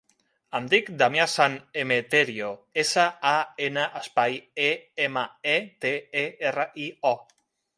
Em dic Damià San Emeterio: essa, a, ena, espai, e, ema, e, te, e, erra, i, o.